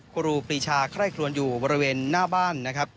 ครูปรีชาไคร่คลวนอยู่บริเวณหน้าบ้านนะครับ